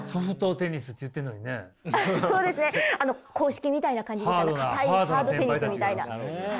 硬式みたいな感じでしたね硬いハードテニスみたいな。